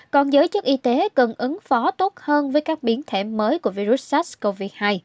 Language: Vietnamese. còn giới chức y tế cần ứng phó tốt hơn với các biến thể mới của virus sars cov hai